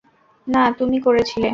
না, তুমি করেছিলে।